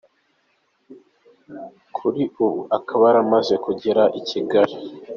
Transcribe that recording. kuri ubu ikaba yaramaze kugera i Kigali.